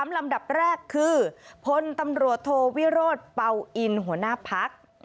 ลำดับแรกคือพลตำรวจโทวิโรธเป่าอินหัวหน้าพัก